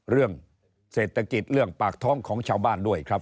เรื่องเศรษฐกิจเรื่องปากท้องของชาวบ้านด้วยครับ